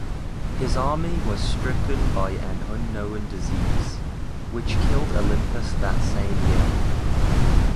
His army was stricken by an unknown disease, which killed Olympius that same year.